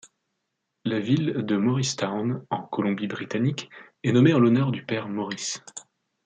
La ville de Moricetown en Colombie-Britannique est nommée en l'honneur du père Morice.